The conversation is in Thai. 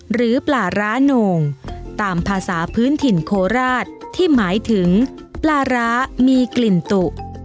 หรือปลาร้าโหน่งตามภาษาพื้นถิ่นโคราชที่หมายถึงปลาร้ามีกลิ่นตุ